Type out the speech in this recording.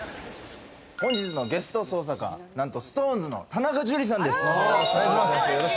本日のゲスト捜査官、なんとＳｉｘＴＯＮＥＳの田中樹さんです。